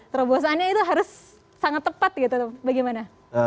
terobosannya itu harus sangat tepat gitu bagaimana